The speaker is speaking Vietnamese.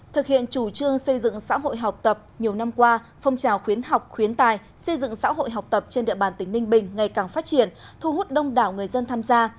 thực hiện chủ trương xây dựng xã hội học tập nhiều năm qua phong trào khuyến học khuyến tài xây dựng xã hội học tập trên địa bàn tỉnh ninh bình ngày càng phát triển thu hút đông đảo người dân tham gia